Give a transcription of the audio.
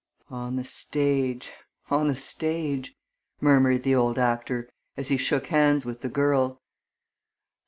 "On the stage on the stage!" murmured the old actor, as he shook hands with the girl.